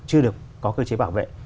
chưa được có cơ chế bảo vệ